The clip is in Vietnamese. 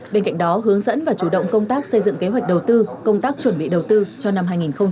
bên cạnh đó hướng dẫn và chủ động công tác xây dựng kế hoạch đầu tư công tác chuẩn bị đầu tư cho năm hai nghìn hai mươi